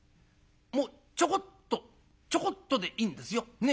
もうちょこっとちょこっとでいいんですよ。ね？